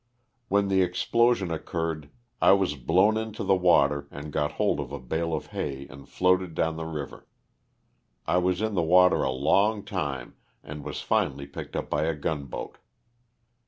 When the explosion occurred I was blown into the water and got hold of a bale of hay and floated down the river. I was in the water a long time, and was finally picked up by a gunboat.